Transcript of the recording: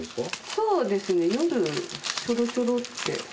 そうですね夜ちょろちょろって。